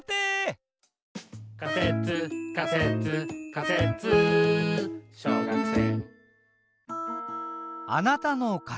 「仮説仮説仮説小学生」